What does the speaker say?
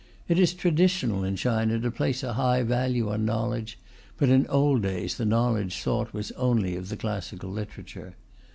It is traditional in China to place a high value on knowledge, but in old days the knowledge sought was only of the classical literature.